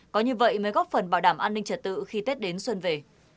có như vậy mới góp phần bảo đảm an ninh trật tự khi tết đến xuân về